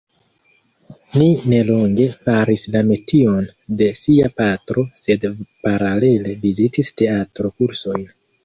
Li nelonge faris la metion de sia patro sed paralele vizitis teatro-kursojn.